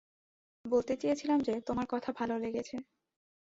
বলতে চেয়েছিলাম যে, তোমার কথা ভালো লেগেছে।